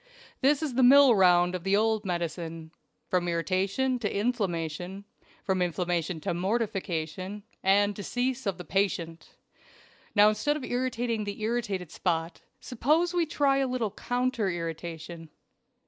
This is the mill round of the old medicine; from irritation to inflammation, from inflammation to mortification, and decease of the patient. Now, instead of irritating the irritated spot, suppose we try a little counter irritation."